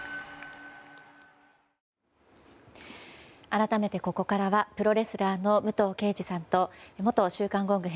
改めてここからはプロレスラーの武藤敬司さんと元「週刊ゴング」